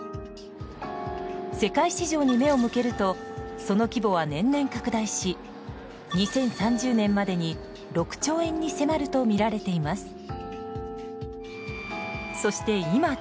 世界市場に目を向けるとその規模は年々拡大し２０３０年までに６兆円に迫るとみられています。